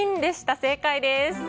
正解です！